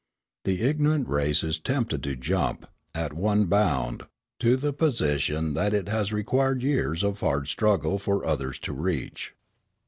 The ignorant race is tempted to jump, at one bound, to the position that it has required years of hard struggle for others to reach.